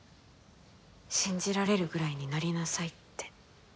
信じられるぐらいになりなさいって。